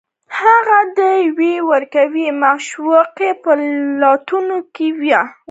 هغه د یوې ورکې معشوقې په لټون کې و